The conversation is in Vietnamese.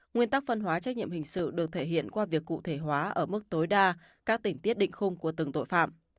nguyên tắc phân hóa trách nhiệm hình sự được thể hiện qua việc cụ thể hóa ở mức tối đa các tỉnh tiết định khung của từng tội phạm